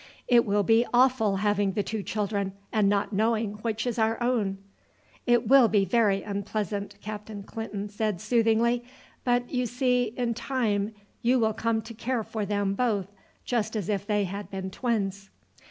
"It will be awful having the two children, and not knowing which is our own." "It will be very unpleasant," Captain Clinton said soothingly; "but, you see, in time you will come to care for them both just as if they had been twins."